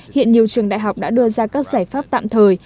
hiện nhiều trường đại học đã đưa ra các giải pháp tạm thời